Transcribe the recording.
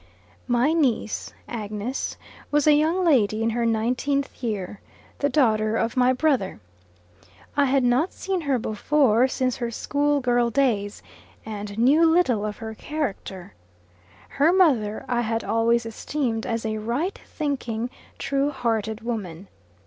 My niece, Agnes, was a young lady in her nineteenth year, the daughter of my brother. I had not seen her before since her school girl days; and knew little of her character. Her mother I had always esteemed as a right thinking, true hearted woman.